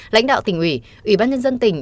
lãnh đạo tỉnh ủy ủy ban nhân dân tỉnh